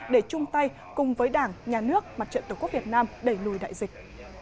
để chung tay cùng với đảng nhà nước mặt trận tổ quốc việt nam đẩy lùi đại dịch